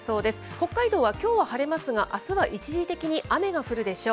北海道はきょうは晴れますが、あすは一時的に雨が降るでしょう。